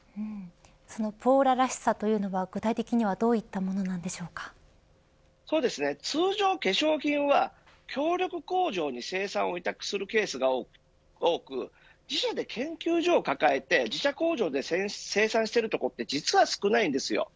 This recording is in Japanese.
そのポーラらしさというのは具体的にはそうですね、通常化粧品は協力工場に生産を委託するケースが多く自社で研究所を抱えて自社工場で生産しているところは実は少ないんですよ。